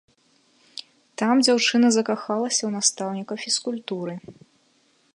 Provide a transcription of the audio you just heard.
Там дзяўчына закахалася ў настаўніка фізкультуры.